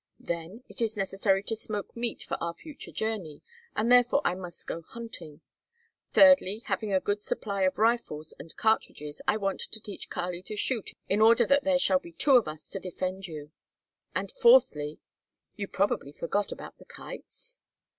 Then, it is necessary to smoke meat for our future journey and therefore I must go hunting; thirdly, having a good supply of rifles and cartridges, I want to teach Kali to shoot in order that there shall be two of us to defend you; and fourthly you probably forgot about the kites?"